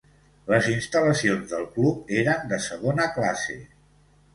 Les instal·lacions del club eren de segona classe.